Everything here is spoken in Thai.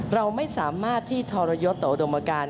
เราไม่สามารถที่ธรยศโดโมการณ์ของประชาชน